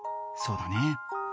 そうだね。